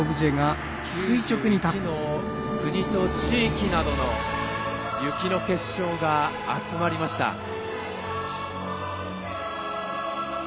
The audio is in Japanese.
９１の国と地域などの雪の結晶が集まりました。